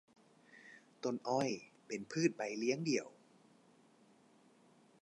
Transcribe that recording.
ต้นอ้อยเป็นพืชใบเลี้ยงเดี่ยว